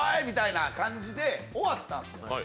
みたいな感じで終わったんですよ